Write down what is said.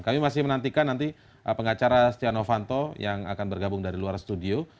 kami masih menantikan nanti pengacara setia novanto yang akan bergabung dari luar studio